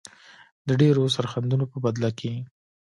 د ډیرو سرښندنو په بدله کې.